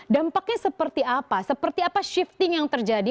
dampaknya seperti apa seperti apa shifting yang terjadi